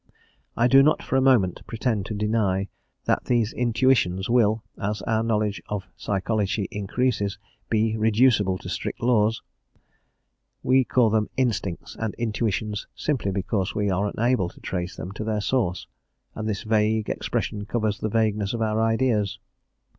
I do not for a moment pretend to deny that these intuitions will, as our knowledge of psychology increases, be reducible to strict laws; we call them instincts and intuitions simply because we are unable to trace them to their source, and this vague expression covers the vagueness of our ideas.